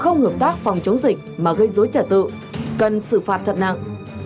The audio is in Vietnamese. không hợp tác phòng chống dịch mà gây dối trả tự cần xử phạt thật nặng